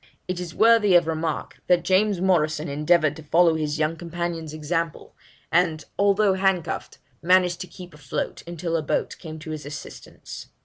It is worthy of remark, that James Morrison endeavoured to follow his young companion's example, and, although handcuffed, managed to keep afloat until a boat came to his assistance.'